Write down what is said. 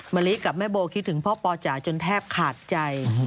มะลิกับแม่โบคิดถึงพ่อปอจ๋าจนแทบขาดใจ